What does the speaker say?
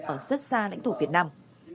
ở rất xa lãnh thổ việt nam